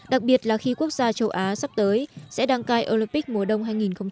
đặc biệt là khi quốc gia châu á sắp tới sẽ đăng cai olympic mùa đông hai nghìn hai mươi